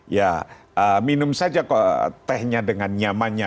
ya minum saja kok tehnya dengan nyamannya